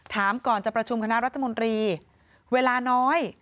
ถามก่อนจะประชุมคณะรัฐมนตรีเวลาน้อย